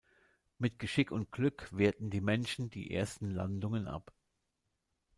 Mit Geschick und Glück wehrten die Menschen die ersten Landungen ab.